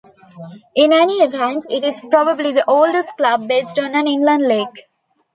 In any event it is probably the oldest club based on an inland lake.